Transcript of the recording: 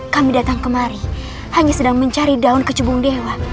kami datang kemari hanya sedang mencari daun kecubung dewa